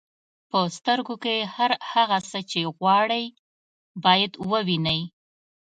په سترګو کې هغه هر څه چې غواړئ باید ووینئ.